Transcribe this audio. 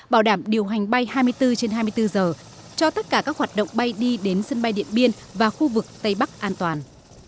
bảo đảm điều hành bay hai mươi bốn trên hai mươi bốn giờ cho tất cả các hoạt động bay đi đến sân bay điện biên và khu vực tây bắc an toàn